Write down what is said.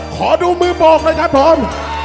ขอดูมือโบกเลยครับผม